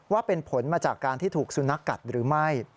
ว่าเป็นผลมาจากการที่ถูกสุนัขกัดหรือไม่